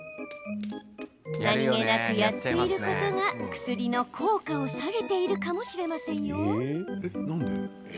何気なくやっていることが薬の効果を下げているかもしれませんよ。